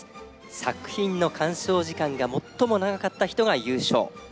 作品の鑑賞時間が最も長かった人が優勝。